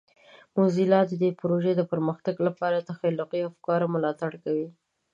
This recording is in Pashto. موزیلا د دې پروژې د پرمختګ لپاره د تخلیقي افکارو ملاتړ کوي.